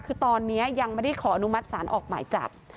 คือตอนนี้ยังไม่ได้ขออนุมัติศาลออกหมายจับ